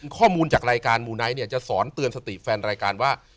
ข้อมูลจากรายการมูไนท์เนี่ยจะสอนเตือนสติแฟนรายการว่า